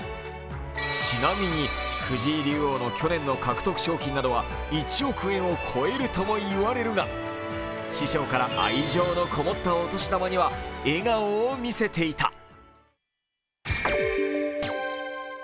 ちなみに、藤井竜王の去年の獲得賞金などは１億円を超えるとも言われるが師匠から愛情のこもったお年玉には笑顔を見せていた。